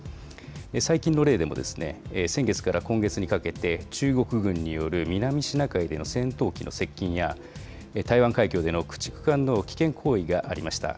最近の例でも、先月から今月にかけて中国軍による南シナ海での戦闘機の接近や、台湾海峡での駆逐艦の危険行為がありました。